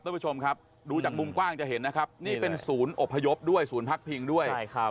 ทุกผู้ชมครับดูจากมุมกว้างจะเห็นนะครับนี่เป็นศูนย์อบพยพด้วยศูนย์พักพิงด้วยใช่ครับ